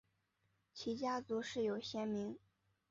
其家族世有贤名。